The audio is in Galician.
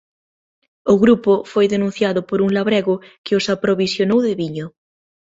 O grupo foi denunciado por un labrego que os aprovisionou de viño.